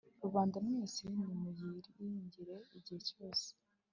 rubanda mwese, nimuyiringire igihe cyose